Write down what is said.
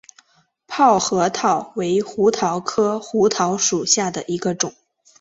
泡核桃为胡桃科胡桃属下的一个种。